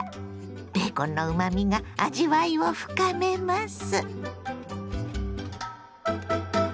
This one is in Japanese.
ベーコンのうまみが味わいを深めます。